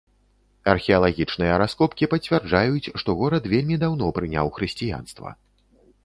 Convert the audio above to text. Археалагічныя раскопкі пацвярджаюць, што горад вельмі даўно прыняў хрысціянства.